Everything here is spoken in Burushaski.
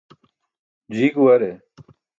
Jii guware.